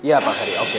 ya pak kadi oke